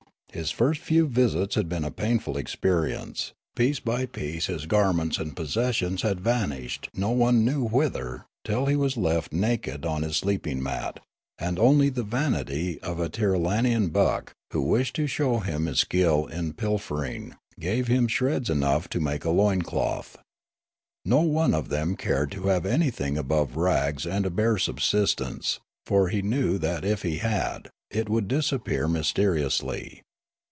His first few visits had been a painful experience ; piece by piece his garments and possessions had vanished no one knew whither till he was left naked Sneekape 153 on his sleeping mat, and only the vanity of a Tirralar iau buck, who wished to show him his skill in pilfering, gave him shreds enough to make a loin cloth. No one of them cared to have anything above rags and a bare subsistence, for he knew that if he had, it would dis appear mysteriously.